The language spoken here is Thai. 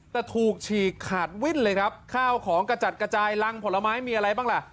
แต่ถูกฉีกขาดวิ่นเลยครับข้าวของกระจัดกระจายรังผลไม้มีอะไรบ้างล่ะ